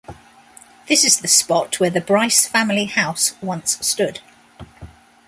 This is the spot where the Brice family house once stood.